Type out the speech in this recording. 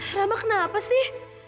rama kenapa sih